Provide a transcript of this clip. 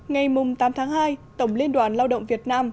ngày tám tháng hai tổng liên đoàn lao động việt nam